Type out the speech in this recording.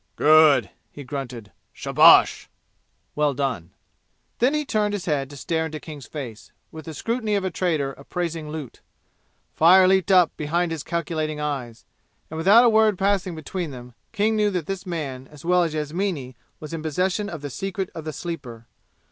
"Good!" he grunted. "'Shabash!"' (Well done!) Then he turned his head to stare into King's face, with the scrutiny of a trader appraising loot. Fire leaped up behind his calculating eyes. And without a word passing between them, King knew that this man as well as Yasmini was in possession of the secret of the Sleeper.